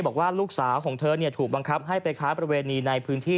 บอกว่าลูกสาวของเธอถูกบังคับให้ไปค้าประเวณีในพื้นที่